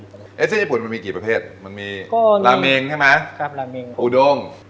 เส้นเยี่ยมเกี่ยวพูดเยี่ยมมีกี่ประเภทเฮียบล้อมออกผู้ดก